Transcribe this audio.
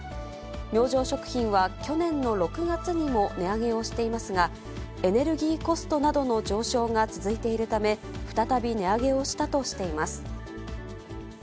明星食品は去年の６月にも値上げをしていますが、エネルギーコストなどの上昇が続いているため、再び値上げをしたとしています。